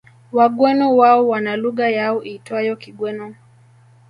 Wagweno wao wana lugha yao iitwayo Kigweno